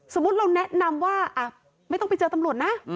สมมุติเราแนะนำว่าไม่ต้องไปเจอตำรวจนะ